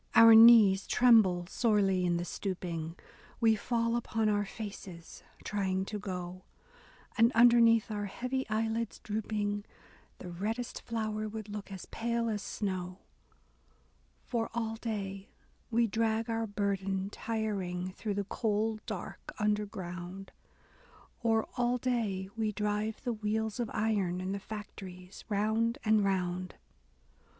A DAY WITH E. B. BROWNING Our knees tremble sorely in the stooping, We fall upon our faces, trying to go ; And, underneath our heavy eyelids droop ing, The reddest flower would look as pale as snow ; For, all day, we drag our burden tiring Through the coal dark, underground — Or, all day, we drive the wheels of iron In the factories, round and round.